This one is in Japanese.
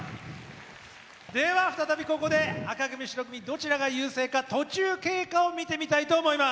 では再びここで紅組・白組どちらが優勢か途中経過を見てみたいと思います。